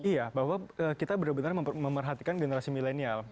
iya bahwa kita benar benar memerhatikan generasi milenial